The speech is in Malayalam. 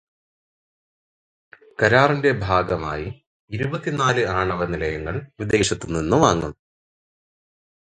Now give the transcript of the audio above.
കരാറിന്റെ ഭാഗമായി ഇരുപത്തിനാല് ആണവനിലയങ്ങൾ വിദേശത്തുനിന്ന് വാങ്ങും.